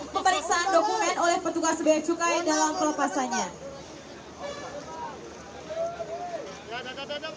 pemeriksaan dokumen oleh petugas bea cukai dalam pelepasannya